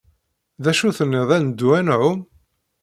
D acu tenniḍ ad neddu ad nɛum?